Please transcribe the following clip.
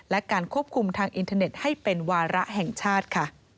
และการควบคุมทางอินเทอร์เน็ตให้เป็นวาระแห่งชาติค่ะ